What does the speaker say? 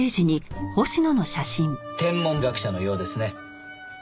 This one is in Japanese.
天文学者のようですね。